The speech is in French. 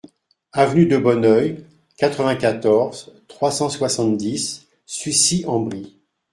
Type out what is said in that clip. Avenue de Bonneuil, quatre-vingt-quatorze, trois cent soixante-dix Sucy-en-Brie